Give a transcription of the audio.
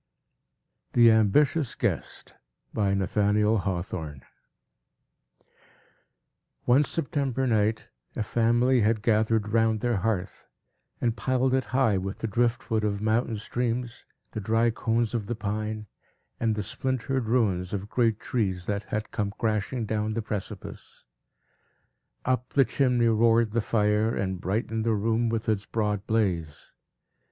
The Ambitious Guest One September night, a family had gathered round their hearth, and piled it high with the drift wood of mountain streams, the dry cones of the pine, and the splintered ruins of great trees, that had come crashing down the precipice. Up the chimney roared the fire, and brightened the room with its broad blaze.